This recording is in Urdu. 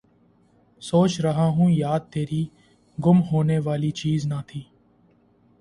سوچ رہا ہوں یاد تیری، گم ہونے والی چیز نہ تھی